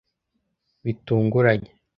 Bitunguranye